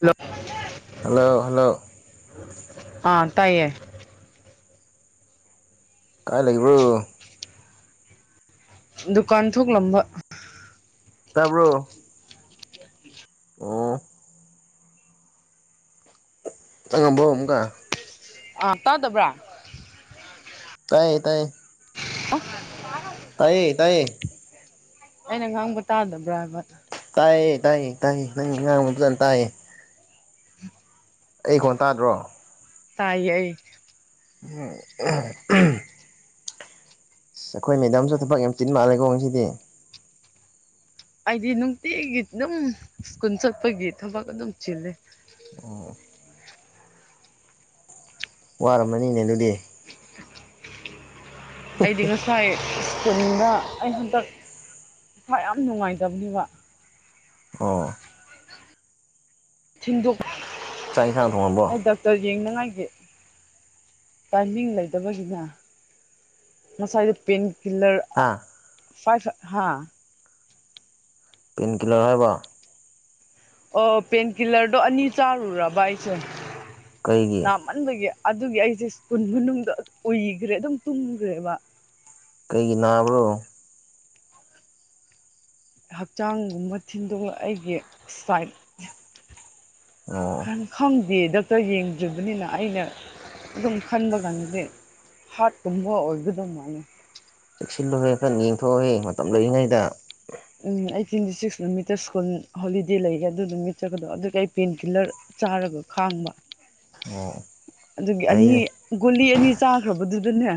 hello [unintelligible] hello hello ꯑꯥ ꯇꯥꯏꯌꯦ ꯀꯥꯏ ꯂꯩꯕꯔꯣ ꯗꯨꯀꯥꯟ ꯊꯣꯛꯂꯝꯕ ꯇꯕ꯭ꯔꯣ ꯑꯝ ꯆꯡ ꯉꯥꯕꯣ ꯑꯃꯨꯛꯀ ꯑꯥ ꯇꯥꯗꯕ꯭ꯔꯥ ꯇꯥꯏꯌꯦ ꯇꯥꯏꯌꯦ ꯑꯣꯐ ꯇꯥꯏꯌꯦ ꯇꯥꯏꯌꯦ ꯑꯩꯅꯥ ꯉꯥꯡꯕ ꯇꯥꯗꯕꯔꯥ ꯇꯥꯏꯌꯦ ꯇꯥꯏ ꯇꯥꯏ ꯅꯪ ꯉꯥꯡꯕꯗꯨ ꯐꯖꯅ ꯇꯥꯏꯌꯦ [inaudible] ꯑꯩ ꯀꯣꯟ ꯇꯥꯗ꯭ꯔꯣ ꯇꯥꯏꯌꯦ ꯑꯩ ꯑꯝ ꯑꯁ ꯑꯩꯈꯣꯏ ꯃꯦꯗꯥꯝꯁꯨ ꯊꯕꯛ ꯌꯥꯝ ꯆꯤꯟ ꯃꯥꯜꯂꯦꯀꯣ ꯉꯁꯤꯗꯤ ꯍꯥꯏꯗꯤ ꯅꯨꯡꯇꯤꯒꯤ ꯑꯗꯨꯝ ꯁ꯭ꯀꯨꯟ ꯆꯠꯄꯒꯤ ꯊꯕꯛ ꯑꯗꯨꯝ ꯆꯤꯜꯂꯦ ꯋꯥꯔꯝꯃꯅꯤꯅꯦ ꯑꯗꯨꯗꯤ ꯑꯩꯗꯤ ꯉꯁꯥꯏ ꯆꯨꯝꯅꯤꯡꯕꯔꯥ ꯑꯩꯅ ꯍꯟꯇꯛ ꯃꯥ ꯌꯥꯝ ꯅꯨꯡꯉꯥꯏꯇꯕꯅꯦꯕ ꯑꯣ ꯊꯤꯟꯗꯣꯛ ꯆꯥꯛ ꯏꯟꯁꯥꯡ ꯊꯣꯡꯉꯕꯣ ꯑꯩ ꯗꯛꯇꯔ ꯌꯦꯡꯅꯉꯥꯏ ꯇꯥꯏꯃꯤꯡ ꯂꯩꯇꯕꯁꯤꯅ ꯉꯁꯥꯏꯗ ꯄꯦꯟ ꯍꯤꯜꯂꯔ ꯑ ꯍꯥꯥ ꯐꯍꯥꯏꯁꯠ ꯍꯥꯥ ꯄꯦꯟ ꯀꯤꯂꯔ ꯍꯥꯏꯕ ꯑꯣ ꯄꯦꯟꯀꯤꯜꯂꯔꯗꯣ ꯑꯅꯤ ꯆꯥꯔꯨꯔꯕ ꯑꯩꯁꯦ ꯀꯩꯒꯤ ꯅꯃꯟꯕꯒꯤ ꯑꯗꯨꯒꯤ ꯑꯩꯁꯦ ꯁ꯭ꯀꯨꯜ ꯃꯅꯨꯡꯗ ꯎꯏꯈ꯭ꯔꯦ ꯑꯗꯨꯝ ꯇꯨꯝꯈ꯭ꯔꯦꯕ ꯀꯩꯒꯤ ꯅꯥꯕ꯭ꯔꯣ ꯍꯛꯆꯥꯡꯒꯨꯝꯕ ꯊꯤꯟꯗꯣꯛꯂ ꯑꯩꯒꯤ ꯁꯥꯏꯠ ꯑꯣ ꯀꯟ ꯈꯡ ꯗꯤ ꯗꯣꯛꯇꯔ ꯌꯦꯡꯗ꯭ꯔꯤꯕꯅꯤꯅ ꯑꯩꯅ ꯑꯗꯨꯝ ꯈꯟꯕ ꯀꯥꯟꯗꯗꯤ ꯍꯥꯔꯠꯀꯨꯝꯕ ꯑꯣꯏꯒꯗꯧ ꯃꯥꯂꯦ ꯁꯤꯜꯂꯣꯍꯦ ꯈꯔꯥ ꯌꯦꯡꯊꯣꯛꯑꯣꯍꯦ ꯃꯇꯝ ꯂꯩꯔꯤꯉꯩꯗ ꯎꯝ ꯑꯩꯠꯇꯤꯟꯗꯤ ꯁꯤꯛꯁ ꯅꯨꯃꯤꯠꯇ ꯁ꯭ꯀꯨꯜ ꯍꯣꯂꯤꯗꯦ ꯂꯩꯌꯦ ꯑꯗꯨꯗꯤ ꯃꯤꯠ ꯆꯠꯀꯗꯕ ꯑꯗꯨꯒꯤ ꯑꯩ ꯄꯦꯟ ꯀꯤꯂꯔ ꯆꯥꯔꯒ ꯈꯥꯡꯕ ꯑꯣ ꯑꯗꯨꯒꯤ ꯑꯅꯤ ꯐꯩꯅꯦ ꯒꯨꯜꯂꯤ ꯑꯅꯤ ꯆꯥꯈ꯭ꯔꯕꯗ ꯑꯗꯨ ꯑꯗꯨꯅ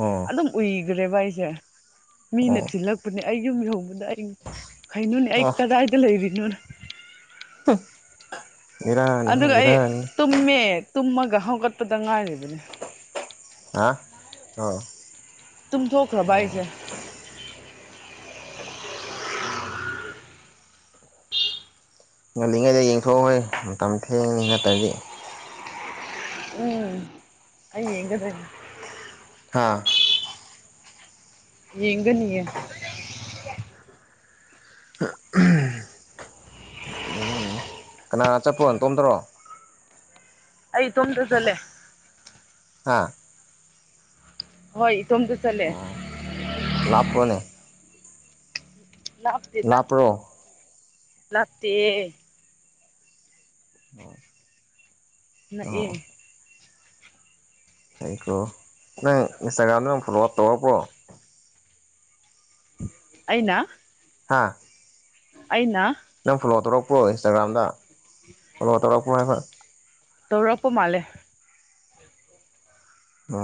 ꯑꯣ ꯑꯗꯨꯝ ꯎꯒ ꯔꯦꯚꯏꯁ ꯖ ꯃꯤꯅ ꯑꯣ ꯆꯤꯜꯂꯛꯄꯅꯦ ꯑꯩ ꯌꯨꯝ ꯌꯨꯝ ꯈꯩꯅꯣꯅꯦ ꯑꯩ ꯀꯗꯥꯏꯗ ꯂꯩꯔꯤꯅꯣꯅ ꯍꯝ ꯑꯗꯨꯒ ꯑꯩ ꯇꯨꯝꯃꯦ ꯇꯨꯝꯃꯒ ꯍꯧꯒꯠꯄꯗ ꯉꯥꯏꯔꯤꯕꯅꯦ ꯑ ꯑꯣ ꯇꯨꯝꯊꯣꯛꯈ꯭ꯔꯕ ꯑꯩꯁꯦ [unintelligible] ꯎꯝ ꯉꯜꯂꯤꯉꯩꯗ ꯌꯦꯡꯊꯣꯛꯑꯣꯈꯣꯏ ꯃꯇꯝ ꯊꯦꯡꯅꯤ ꯅꯠꯇ꯭ꯔꯗꯤ ꯎꯝ ꯑꯩꯌꯦꯒꯗ ꯍꯥꯥ ꯌꯦꯒꯅꯤꯌꯦ ꯌꯦꯡꯉꯣ ꯌꯦꯡꯉꯣ ꯀꯅꯥ ꯆꯠꯄꯣ ꯅꯇꯣꯝꯗ꯭ꯔꯣ ꯑꯩ ꯇꯣꯝꯗꯆꯠꯂꯦ ꯍꯥꯥ ꯍꯣꯏ ꯇꯣꯃꯗ ꯆꯇꯂꯦ ꯑꯣ ꯂꯥꯞꯄ꯭ꯔꯣꯅꯦ ꯂꯅꯥꯞꯇꯦꯗ ꯂꯥꯞꯄ꯭ꯔꯣ ꯂꯥꯄ ꯇꯤꯌꯦ ꯑꯣ ꯅꯥꯛ ꯑꯥ ꯑꯩꯀꯣ ꯅꯪ ꯏꯟꯁꯇꯥꯒ꯭ꯔꯥꯝꯗ ꯅꯪ ꯐꯣꯂꯣꯞ ꯇꯧꯔꯕ꯭ꯔꯣ ꯑ [unintelligible] ꯎ [unintelligible] ꯑꯅꯥ ꯍꯥꯥ ꯑꯩꯅ ꯅꯪ ꯐꯣꯂꯣ ꯇꯧꯔꯛꯄ꯭ꯔꯣ ꯏꯟꯁꯇꯥꯒ꯭ꯔꯥꯝꯗ ꯐꯣꯂꯣ ꯇꯧꯔꯛꯄ꯭ꯔꯣ ꯍꯥꯏꯕ ꯇꯧꯔꯄ ꯃꯥꯂꯦ ꯎ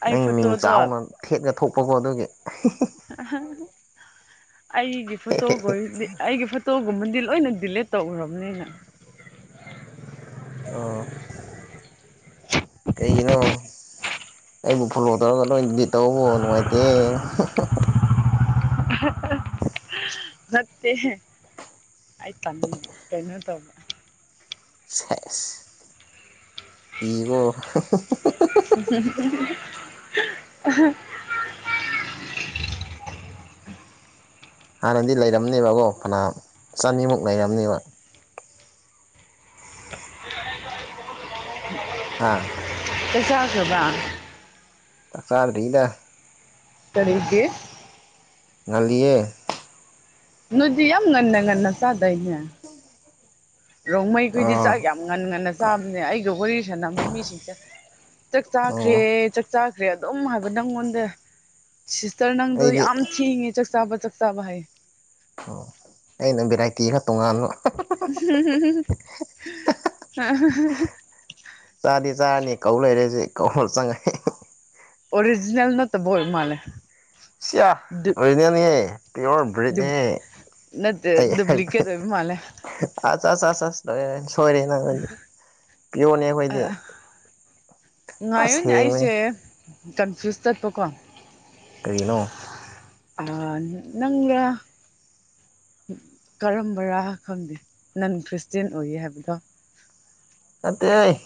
ꯑꯩ ꯅꯪꯒꯤ ꯃꯤꯡ ꯐꯣꯇꯣꯗꯣ ꯆꯥꯎꯅ ꯊꯦꯠ ꯊꯣꯛꯄꯀꯣ ꯑꯗꯨꯒꯤ ꯑ ꯑꯩꯒꯤ ꯐꯣꯇꯣꯒꯣ ꯑꯩꯒꯤ ꯐꯣꯇꯣꯒꯨꯝꯕꯗꯤ ꯂꯣꯏꯅ ꯗꯤꯂꯤꯠ ꯇꯧꯈ꯭ꯔꯕꯅꯤꯅ ꯑꯣ ꯀꯩꯒꯤꯅꯣ ꯑꯩꯕꯨ ꯐꯣꯂꯣ ꯇꯧꯔꯒ ꯅꯣꯏ ꯗꯤ ꯇꯧꯕꯧꯕ ꯅꯨꯡꯉꯥꯏꯇꯦ ꯃꯦ ꯑ ꯇ ꯀꯩꯅꯣ ꯇꯧꯕ ꯄꯒꯣ [unintelligible] [unintelligible] ꯍꯥꯟꯅꯗꯤ ꯂꯩꯔꯝꯅꯦꯕꯀꯣ ꯐꯅꯥ ꯆꯅꯤꯃꯨꯛ ꯂꯩꯔꯝꯅꯦꯕ ꯍꯥꯥ ꯆꯥꯛ ꯆꯥꯒꯔꯕ ꯆꯥꯛ ꯆꯥꯗꯤꯗ ꯆꯔꯗꯤ ꯉꯜꯂꯤꯌꯦ ꯅꯗꯤ ꯌꯥꯝ ꯌꯥꯝ ꯉꯟꯅ ꯉꯟꯅ ꯆꯗꯥꯏꯌꯅꯦ ꯔꯣꯡꯃꯩꯈꯨꯗꯤ ꯑꯥ ꯆꯥꯛ ꯌꯥꯝ ꯉꯟ ꯉꯟꯅꯁꯦ ꯆꯥꯕꯅꯦ ꯑꯩꯒ ꯋꯥꯔꯤ ꯁꯥꯟꯅꯕ ꯃꯤꯁꯤꯡꯁꯦ ꯆꯥꯛ ꯆꯥꯈ꯭ꯔꯦ ꯑꯣ ꯆꯥꯛ ꯆꯥꯈ꯭ꯔꯦ ꯑꯗꯨꯝ ꯍꯥꯏꯕ ꯅꯪꯉꯣꯟꯗ ꯔ ꯅꯪꯗꯣ ꯑꯩꯗꯤ ꯌꯥꯝ ꯊꯦꯡꯉꯦ ꯆꯛꯆꯥꯕ ꯆꯛꯆꯥꯕ ꯍꯥꯏ ꯑꯣ ꯑꯩꯅ ꯚꯦꯔꯥꯏꯇꯤꯒ ꯇꯣꯉꯥꯟꯕ ꯎ [inaudible] [unintelligible] ꯆꯥꯗꯤ ꯆꯥꯔꯅꯤ ꯀꯧ ꯂꯩꯔꯦꯁꯦ ꯀꯧ ꯆꯪꯉꯅꯤ ꯑꯣꯔꯤꯖꯤꯅꯜ ꯅꯠꯇꯕ ꯑꯣꯏ ꯃꯥꯂꯦ ꯁꯤꯌꯥ ꯑꯣꯔꯤꯖꯤꯅꯦ ꯅꯦꯍꯦ ꯄꯤꯌꯣꯔ ꯕ꯭ꯔꯤꯠ ꯅꯦ ꯅꯠꯇꯦ ꯑꯩ ꯗꯨꯄ꯭ꯂꯤꯀꯦꯠ ꯑꯣꯏꯕ ꯃꯥꯜꯂꯦ ꯆ ꯆ ꯆ ꯅꯩ ꯁꯣꯏꯔꯦꯅꯪ ꯄꯤꯌꯣꯅꯦ ꯑꯩꯈꯣꯏꯗꯤ ꯉꯥꯏꯌꯣꯅꯦ ꯄꯁꯦꯡꯕꯅꯤ ꯑꯩꯁꯦ ꯀꯟꯐ꯭ꯌꯨꯁ ꯇꯠꯄꯀꯣ ꯀꯔꯤꯅꯣ ꯅꯪꯪꯂ ꯀꯔꯝꯕꯔꯥ ꯈꯪꯗꯦ ꯅꯟ ꯈ꯭ꯔꯤꯁꯇꯦꯟ ꯑꯣꯏꯌꯦ ꯍꯥꯏꯕꯗꯣ ꯅꯇꯦ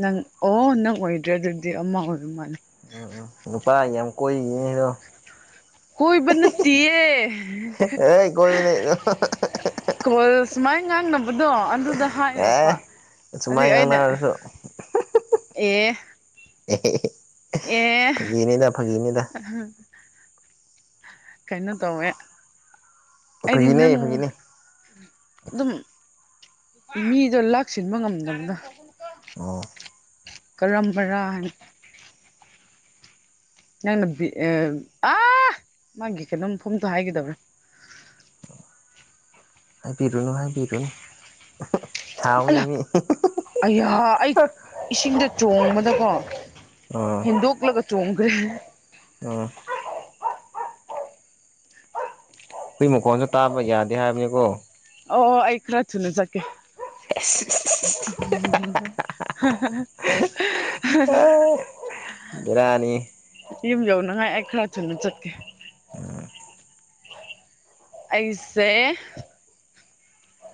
ꯅꯪ ꯑꯣ ꯅꯪ ꯑꯣꯏꯗ꯭ꯔꯦ ꯑꯗꯨꯗꯤ ꯑꯃ ꯑꯣꯏꯕ ꯃꯥꯜꯂꯦ ꯎꯝ ꯎꯝ ꯅꯨꯄꯥꯒꯤ ꯌꯥꯝ ꯀꯣꯏ ꯅꯦꯗꯣ ꯀꯣꯏꯕ ꯅꯠꯇꯌꯦ ꯑꯦ ꯀꯣꯏꯕꯅꯦ ꯁꯨꯃꯥꯏꯅ ꯉꯥꯡꯅꯕꯗꯣ ꯑꯗꯨ ꯑꯦ ꯁꯨꯃꯥꯏ ꯉꯥꯡꯅꯔꯁꯨ ꯑꯦ [unintelligible] ꯑꯦ ꯐꯒꯤꯅꯤꯗ ꯐꯒꯤꯅꯤꯗ ꯀꯩꯅꯣ ꯇꯧꯋꯦ ꯑꯩꯗꯤ ꯐꯒꯤꯅꯦ ꯅꯪ ꯐꯒꯤꯅꯦ ꯑꯗꯨꯝ ꯃꯤꯗꯣ ꯂꯥꯛꯁꯤꯟꯕ ꯉꯝꯗꯕꯅ ꯑꯣ ꯀꯔꯝꯕꯔꯥ ꯍꯥꯏꯅ ꯅꯪꯅꯕꯤ ꯑ ꯑꯥ ꯃꯥꯒꯤ ꯀꯩꯅꯣꯝ ꯃꯐꯝꯇꯣ ꯍꯥꯏꯒꯗꯕ꯭ꯅ ꯍꯥꯏꯕꯤꯔꯣ ꯍꯥꯏꯕꯤꯔꯣ ꯑꯜꯂ ꯑꯌꯥ ꯑꯩ ꯏꯁꯤꯡꯗ ꯆꯣꯡꯕꯗꯀꯣ ꯑꯥ ꯍꯤꯟꯗꯨꯨ ꯀꯜꯂ ꯆꯣꯡꯒꯦꯔ ꯑꯥ ꯍꯨꯏ ꯃꯈꯣꯟꯁꯨ ꯇꯥꯕ ꯌꯥꯗꯦ ꯍꯥꯏꯕꯅꯤꯀꯣ ꯑꯣ ꯑꯩ ꯈꯔ ꯊꯨꯅ ꯆꯠꯀꯦ ꯕꯤꯔꯥꯅꯤ ꯉꯥꯏ ꯑꯦ ꯈꯔ ꯊꯨꯅ ꯆꯠꯀꯦ ꯑꯩꯁꯦ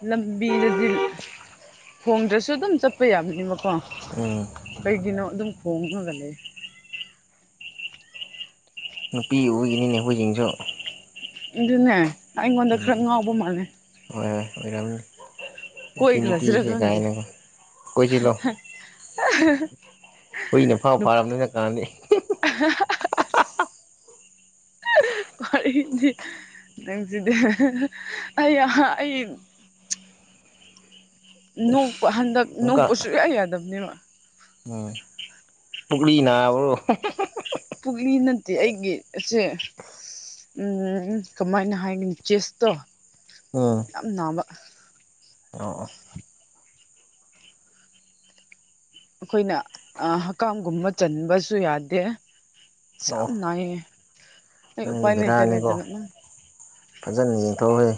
ꯂꯝꯕꯤꯗꯗꯤ ꯈꯣꯡꯗ꯭ꯔꯁꯨ ꯑꯗꯨꯝ ꯆꯠꯄ ꯌꯥꯕꯅꯤꯕꯀꯣ ꯎꯝ ꯀꯩꯒꯤꯅꯣ ꯑꯗꯨꯝ ꯈꯣꯡꯉ ꯂꯩꯔꯦ ꯅꯨꯄꯤ ꯑꯣꯏꯒꯤꯅꯤꯅꯦ ꯍꯨꯏꯖꯤꯡꯁꯨ ꯑꯗꯨꯅꯦ ꯑꯩꯉꯣꯟꯗ ꯈꯔ ꯉꯥꯎꯕ ꯃꯥꯜꯂꯦ ꯍꯣꯏ ꯑꯣꯏꯔꯝꯅꯤ ꯀꯣꯏ ꯁꯤ ꯈ꯭ꯔꯁꯤꯔ ꯈ ꯅꯨꯄꯤꯁꯦ ꯀꯥꯏꯅꯀꯣ ꯀꯣꯏꯁꯤꯜꯂꯣ ꯈꯪꯗꯦ ꯍꯨꯏꯅ ꯐꯥꯎ ꯅꯨ ꯐꯥꯔꯕꯅꯤ ꯍꯧꯖꯤꯛꯀꯥꯟꯗꯤ ꯗꯤ ꯅꯪꯁꯤꯗꯤ ꯑꯩ ꯑꯩ ꯅ ꯍꯟꯗꯛ ꯑꯃꯨꯛꯀ ꯅꯣꯛꯄ ꯁꯨꯌꯥ ꯌꯥꯗꯕꯅꯦꯕ ꯎꯝ ꯄꯨꯛꯂꯤ ꯅꯕꯔꯣ ꯂꯤ ꯅꯠꯇꯦ ꯑꯩꯒꯤꯁꯦ ꯎꯝ ꯀꯃꯥꯏꯅ ꯍꯥꯏꯒꯅꯤ ꯆꯦꯁꯇꯣ ꯎꯝ ꯌꯥꯝꯕ [unintelligible] ꯑꯣ ꯑꯣ ꯑꯩꯈꯣꯏꯅ ꯍꯛꯀꯥꯡꯝꯒꯨꯝꯕ ꯆꯟꯕꯁꯨ ꯌꯥꯗꯦ ꯌꯥꯝ ꯑꯣ ꯅꯥꯏꯌꯦ ꯑꯩ ꯅꯪꯗꯤ ꯎꯄꯥꯏ ꯂꯩꯇ ꯕꯦꯔꯥꯅꯤꯀꯣ ꯂꯩꯇꯅꯅ ꯐꯖꯅ ꯌꯦꯡꯊꯣꯛꯈ꯭ꯔꯦ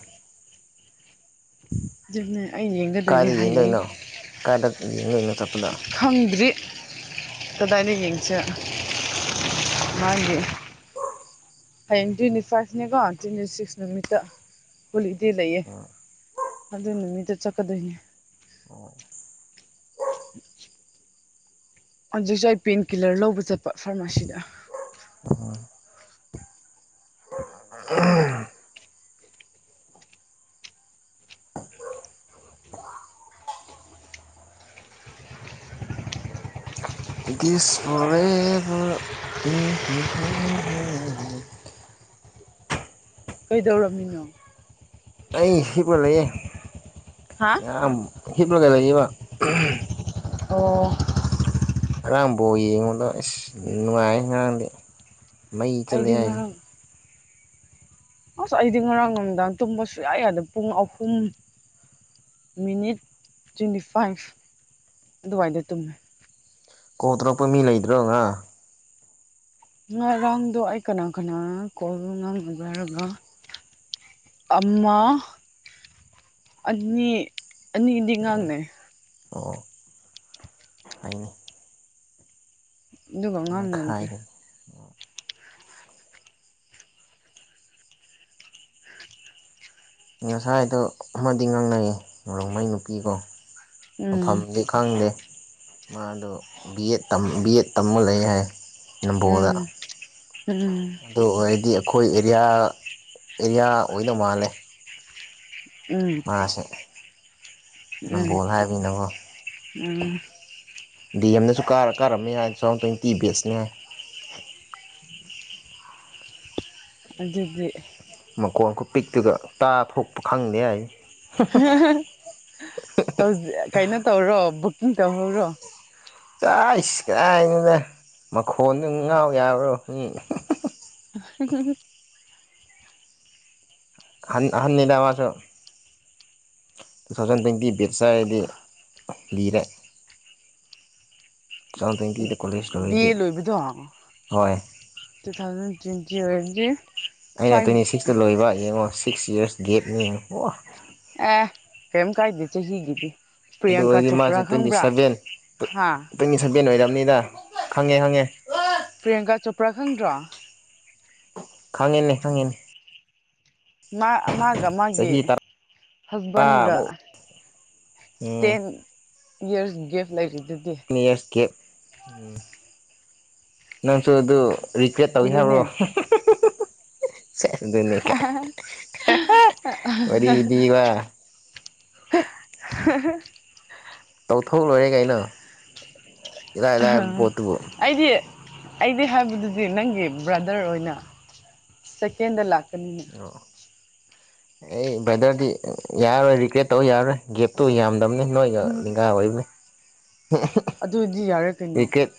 ꯑꯗꯨꯝꯅꯦ ꯀꯗꯥꯗ ꯌꯦꯡꯗꯣꯏꯅꯣ ꯀꯥꯏꯏꯗ ꯌꯦꯡꯗꯣꯏꯅꯣ ꯆꯠꯄꯗ ꯇꯗꯥꯥꯏꯅꯦꯒꯤꯡ ꯆ ꯃꯥꯒꯤꯦ ꯍꯌꯦꯡ ꯇ꯭ꯋꯦꯟꯇꯤ ꯐꯥꯏꯚꯅꯦꯀꯣ ꯇ꯭ꯋꯦꯟꯇꯤ ꯁꯤꯛꯁ ꯅꯨꯃꯤꯠꯇ ꯍꯣꯂꯤꯗꯦ ꯂꯩꯌꯦ ꯎꯝ ꯑꯗꯨ ꯅꯨꯃꯤꯠꯇ ꯆꯠꯀꯗꯣꯏꯅꯦ [unintelligible] ꯍꯧꯖꯤꯛꯁꯨ ꯑꯩ ꯄꯦꯟꯀꯤꯜꯂꯔ ꯂꯧꯕ ꯆꯠꯄ ꯐꯥꯔꯃꯥꯁꯤꯗ ꯁꯄꯣꯔꯦ ꯎꯝꯝꯝ ꯀꯩꯗꯧꯔꯔꯕꯃꯤꯅꯣ ꯑꯩ ꯍꯕꯨ ꯂꯩꯌꯦ ꯍꯥ ꯑ ꯍꯤꯞꯂꯥꯏ ꯂꯩꯥꯛꯕ ꯑꯣ ꯉꯔꯥꯡ ꯕꯣꯜ ꯌꯦꯡꯉꯨꯗꯣ ꯏꯁ ꯅꯨꯡꯉꯥꯏ ꯉꯔꯥꯡꯗꯤ ꯃꯩ ꯆꯠꯂꯦ ꯑꯩꯗꯤ ꯍꯥꯏꯔꯤ ꯉꯔꯥꯡ ꯑꯁ ꯑꯩꯗꯤ ꯉꯔꯥꯡ ꯅꯨꯃꯤꯗꯥꯡ ꯇꯨꯝꯕ ꯁꯨ ꯌꯥꯏ ꯌꯥꯗꯦ ꯄꯨꯡ ꯑꯍꯨꯝ ꯃꯤꯅꯤꯠ ꯇ꯭ꯋꯦꯟꯇꯤ ꯐꯥꯏꯚ ꯑꯗꯨꯋꯥꯏꯗ ꯇꯨꯝꯃꯦ ꯀꯜ ꯇꯣꯔꯛꯄ ꯃꯤ ꯂꯩꯗ꯭ꯔꯣ ꯉꯥꯔꯥꯡ ꯉꯔꯥꯡꯗꯣ ꯑꯩ ꯀꯅꯥ ꯀꯅꯥ ꯀꯣꯜ ꯉꯥꯡꯅꯒꯦ ꯍꯥꯏꯔꯒ ꯑꯃ ꯑꯅꯤ ꯑꯅꯤꯗꯤ ꯉꯥꯡꯅꯩ ꯑꯣ ꯐꯩꯅꯦ ꯗꯨꯒ [unintelligible] ꯉꯈꯥꯏꯗ ꯉꯁꯥꯏꯗꯣ ꯑꯃꯗꯤ ꯉꯥꯡꯅꯩꯌꯦ ꯔꯣꯡꯃꯩ ꯅꯨꯄꯤꯀꯣ ꯎꯝ ꯃꯐꯝꯗꯤ ꯈꯪꯗꯦ ꯃꯥꯗꯣ ꯕꯤ ꯑꯦꯠ ꯕꯤ ꯑꯦꯠ ꯇꯝꯃ ꯂꯩ ꯍꯥꯏ ꯅꯝꯕꯣꯜꯗ ꯎꯝ ꯎꯝ ꯑꯗꯨ ꯑꯣꯏꯔꯗꯤ ꯈꯣꯏ ꯑꯦꯔꯤꯌꯥ ꯑꯦꯔꯤꯌꯥ ꯑꯣꯏꯗꯧ ꯃꯥꯜꯂꯦ ꯎꯝ ꯃꯥꯁꯦ ꯎꯝ ꯅꯝꯕꯣꯜ ꯍꯥꯏꯕꯅꯤꯅꯀꯣ ꯎꯝ ꯗꯤ ꯑꯦꯝꯗꯁꯨ ꯀꯥꯔ ꯀꯥꯔꯝꯃꯦ ꯌꯥꯏ ꯇꯨ ꯊꯥꯎꯖꯟ ꯇ꯭ꯋꯦꯟꯇꯤ ꯕꯦꯁꯅꯦ ꯑꯗꯨꯗꯤ ꯈꯣꯟꯈꯨꯄꯤꯛꯇꯨꯒ ꯇꯥ ꯐꯝ ꯈꯪꯗꯦ ꯍꯥꯏ [unintelligible] ꯀꯩꯅꯣ ꯇꯧꯔꯣ ꯕꯨꯀꯤꯡ ꯇꯧꯍꯧꯔꯣ ꯆꯥꯏꯁ ꯀꯥꯏꯗꯨꯅꯦ ꯃꯈꯣꯟꯗꯨ ꯉꯥꯎ ꯌꯥꯕ꯭ꯔꯣ ꯃꯤ ꯍꯨꯝꯍꯨꯝꯍꯨꯝ ꯑꯍꯟ ꯑꯍꯟꯅꯤꯗ ꯃꯥꯁꯨ ꯇꯨ ꯊꯥꯎꯖꯟ ꯇ꯭ꯋꯦꯟꯇꯤ ꯕꯦꯠꯁ ꯍꯥꯏꯔꯗꯤ ꯂꯤꯔꯦ ꯇꯨ ꯊꯥꯎꯖꯟ ꯇ꯭ꯋꯦꯟꯇꯤꯗ ꯀꯣꯂꯦꯖ ꯕꯤ ꯂꯣꯏꯔꯗꯤ ꯑꯦ ꯂꯣꯏꯕꯗꯣ ꯍꯣꯏ ꯇꯨ ꯊꯥꯎꯖꯟ ꯇ꯭ꯋꯦꯟꯇꯤ [unintelligible] [inaudible] ꯑꯩꯅ ꯐꯥꯏꯚ ꯇ꯭ꯋꯦꯟꯇꯤ ꯁꯤꯛꯁꯇ ꯂꯣꯏꯕ ꯌꯦꯡꯉꯣ ꯁꯤꯛꯁ ꯌꯔꯁ ꯒꯦꯕꯅꯤ ꯍꯣ ꯑ ꯀꯩꯝ ꯀꯥꯏꯗꯦ ꯆꯍꯤꯒꯤꯗꯤ ꯑꯗꯨ ꯄ꯭ꯔꯤꯌꯥꯡꯀꯥ ꯑꯣꯏꯔꯗꯤ ꯃꯥꯁꯦ ꯆꯣꯄ꯭ꯔꯥ ꯇ꯭ꯋꯦꯟꯇꯤ ꯈꯪꯕ꯭ꯔꯥ ꯁꯚꯦꯟ ꯍꯥ ꯇ꯭ꯋꯦꯟꯇꯤ ꯁ ꯕꯦꯟ ꯑꯣꯏꯔꯝꯅꯤꯗ ꯈꯪꯉꯦ ꯈꯪꯉꯦ ꯄ꯭ꯔꯤꯌꯥꯡꯀꯥ ꯆꯣꯄ꯭ꯔꯥ ꯈꯪꯗ꯭ꯔꯣ ꯈꯪꯉꯦꯅꯦ ꯈꯪꯉꯦꯅꯦ ꯃꯥ ꯃꯥꯒ ꯃꯥꯒꯤ ꯆꯍꯤ ꯍꯁꯕꯦꯟꯒ ꯇꯔꯥꯃꯨꯛ ꯎꯝ ꯇꯦꯟ ꯌ꯭ꯔꯁ ꯒꯦꯕ ꯂꯩꯔꯤ ꯑꯦꯖ ꯒꯦꯕ ꯎꯝ ꯅꯪꯁꯨ ꯑꯗꯨ ꯔꯤꯀ꯭ꯔꯦꯠ ꯇꯧꯒꯦ ꯑꯗꯨꯅꯦ ꯍꯥꯏꯕ꯭ꯔꯣ [inaudible] ꯑꯗꯨꯅꯦ ꯀꯥꯏ ꯋꯥꯔꯤ ꯂꯤꯕ [inaudible] ꯇꯧꯊꯣꯛ ꯂꯣꯏꯔꯦ‌ ꯀꯩꯅꫭ ꯏꯂꯥꯏꯕ ꯄꯣꯠꯇꯨꯕꯨ ꯑꯩꯗꯤ ꯑꯩꯗꯤ ꯍꯥꯏꯕꯗꯨꯗꯤ ꯅꯪꯒꯤ ꯕ꯭ꯔꯗꯔ ꯑꯣꯏꯅ ꯁꯦꯀꯦꯟꯗ ꯂꯥꯛ ꯀꯅꯤꯅ ꯑꯩ ꯕ꯭ꯔꯗꯔꯗꯤ ꯌꯥꯔꯣꯏ ꯔꯤꯒ꯭ꯔꯦꯠ ꯇꯧ ꯌꯥꯔꯣꯏ ꯒꯦꯞꯇꯨ ꯌꯥꯝ ꯗꯝꯅꯦ ꯅꫭꯏꯒ ꯂꯤꯡꯒꯥ ꯑꯣꯏꯕꯅꯦ ꯑꯗꯨꯗꯤ ꯌꯥꯔꯦ ꯀꯩꯅꯣ ꯔꯤꯀ꯭ꯔꯦꯠ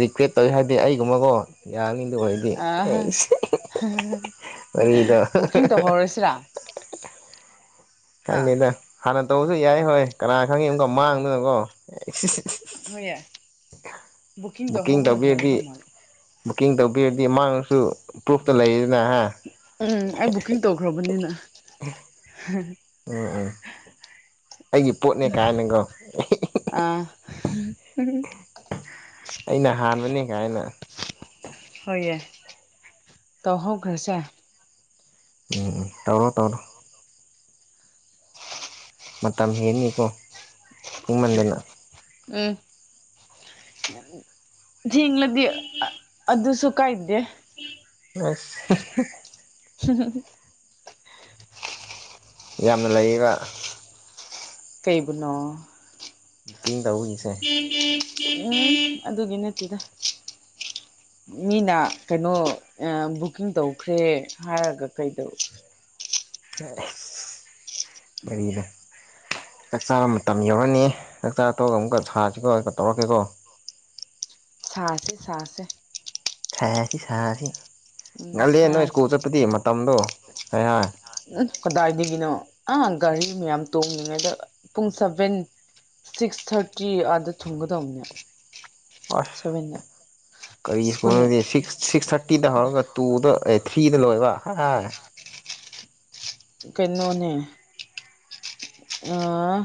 ꯔꯤꯀ꯭ꯔꯦꯠ ꯇꯧꯋꯤ ꯍꯥꯏꯗꯤ ꯑꯩꯒꯨꯝꯕꯀꯣ ꯌꯥꯅꯤ ꯑꯣꯏꯔꯗꯤ ꯑ ꯑꯩꯁ ꯋꯥꯔꯤꯗꫭ [inaudible] ꯕꯨꯛꯀꯤꯡ ꯇꯧꯍꯧꯔꯁꯤꯔꯥ ꯍꯥ ꯈꯪꯗꯦꯗ ꯍꯥꯟꯅ ꯇꯧꯕꯁꯨ ꯌꯥꯏ ꯍꯣꯏ ꯀꯅꯥ ꯈꯪꯅꯤ ꯑꯃꯨꯛꯀ ꯃꯥꯡꯗꯅꯀꯣ ꯑꯦ ꯍꯣꯏ ꯌꯥ ꯕꯨꯀꯤꯡ ꯕꯨꯛꯀꯤꯡ ꯗꯧꯍꯧꯕꯅ ꯇꯧꯕꯤꯔꯗꯤ ꯐꯒꯗꯧ ꯃꯥꯜꯂꯤ ꯕꯨꯛꯀꯤꯡ ꯇꯧꯕꯤꯔꯗꯤ ꯃꯥꯡꯁꯨ ꯄ꯭ꯔꯨꯐꯇ ꯂꯩ ꯎꯝ ꯑꯩ ꯕꯨꯀꯤꯡ ꯇꯧꯈ꯭ꯔꯕꯅꯤꯅ [inaudible] ꯎꯝ ꯎꯝ ꯑꯩꯒꯤ ꯄꯣꯠꯅꯦ ꯀꯥꯏꯅꯀꯣ ꯍꯥ ꯑꯩꯅ ꯍꯥꯟꯕꯅꯦ ꯀꯥꯏꯅ ꯇꯧꯍꯧꯒ꯭ꯔꯁꯦ ꯎꯝ ꯎꯝ ꯇꯧꯔꯣ ꯇꯧꯔꯣ ꯃꯇꯝ ꯍꯦꯟꯅꯤꯀꯣ ꯊꯦꯡꯃꯟꯗꯅ ꯎꯝ ꯊꯦꯡꯂꯗꯤ ꯑ ꯑꯗꯨꯁꯨꯨ ꯀꯥꯏꯗꯦ ꯑꯁ [inaudible] ꯌꯥꯝꯅ ꯂꯩꯔꯤꯕ ꯀꯩꯕꯨꯅꯣ [unintelligible] [inaudible] ꯎꯝ ꯑꯗꯨꯒꯤ ꯅꯠꯇꯦꯗ ꯃꯤꯅ ꯀꯩꯅꯣ ꯕꯨꯛꯀꯤꯡ ꯇꯧꯈ꯭ꯔꯦ ꯍꯥꯏꯔꯒ ꯀꯩꯗꯧ ꯑꯁ ꯋꯥꯔꯤꯗꫭ ꯆꯥꯛꯆꯥ ꯃꯇꯝ ꯌꯧꯔꯅꯤ ꯆꯥꯛꯆꯥ ꯇꯣꯛꯑꯒ ꯑꯃꯨꯛꯀ ꯁꯥꯔꯁꯤꯀꯣ ꯑꯗꯨꯒ ꯇꯧꯔꯛꯀꯦꯀꯣ ꯁꯥꯥꯁꯦ ꯁꯥꯥꯁꯦ ꯍꯥꯏꯁꯤ ꯁꯁꯤ ꯉꯜꯂꯤ ꯅ‌ꯣꯏꯁꯀꯨꯜ ꯆꯠꯄꯗꯤ ꯃ ꯃꯇꯝꯗꯨ ꯎꯃ ꯀꯗꯥꯏꯗꯤ ꯀꯅꯣ ꯑꯥ ꯒꯥꯔꯤ ꯃꯌꯥꯝ ꯇꯣꯡꯉꯉꯩꯗ ꯄꯨꯡ ꯁꯚꯦꯟ ꯁꯤꯛꯁ ꯊꯥꯔꯇꯤ ꯑꯥꯗ ꯊꯨꯡꯒꯗꯕꯅꯦ ꯑꯥꯁ ꯀꯔꯤ ꯁꯀ ꯁ꯭ꯀꯨꯜ ꯁꯤꯁ ꯁꯤꯛꯁ ꯊꯥꯔꯇꯤꯗ ꯍꯥꯏꯔꯒ ꯇꯨꯗ ꯐꯤꯅ ꯂꯣꯏꯦꯕ ꯑꯥ ꯀꯩꯅꯣꯅꯦ ꯑꯥ